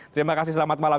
terima kasih selamat malam